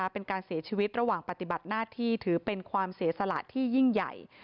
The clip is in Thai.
เป็นการเสียชีวิตระหว่างปฏิบัติหน้าที่ถือเป็นความเสียสละที่ยิ่งใหญ่